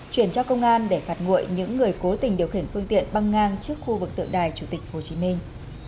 chuyển cho công an để phạt nguội những người cố tình điều khiển phương tiện băng ngang trước khu vực tượng đài chủ tịch hồ chí minh